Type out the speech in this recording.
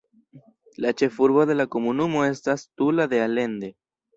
La ĉefurbo de la komunumo estas Tula de Allende.